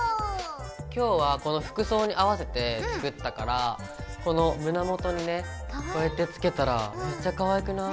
今日はこの服装に合わせて作ったからこの胸元にねこうやってつけたらめっちゃかわいくない？